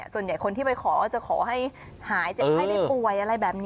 ส่วนใหญ่คนที่ไปขอจะขอให้หายเจ็บไข้ได้ป่วยอะไรแบบนี้